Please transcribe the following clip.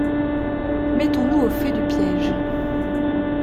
Mettons-nous au fait du piège.